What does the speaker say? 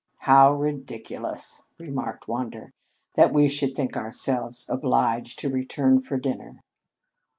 "How ridiculous," remarked Wander, "that we should think ourselves obliged to return for dinner!"